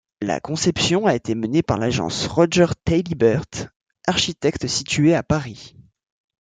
La conception a été menée par l'Agence Roger Taillibert, architecte situé à Paris.